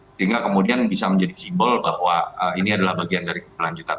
sehingga kemudian bisa menjadi simbol bahwa ini adalah bagian dari keberlanjutan